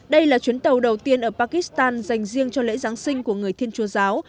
đây là chuyến tàu đầu tiên ở pakistan dành riêng cho lễ giáng sinh của người thiên chúa giáo